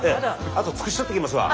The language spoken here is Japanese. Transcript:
あとつくし採ってきますわ。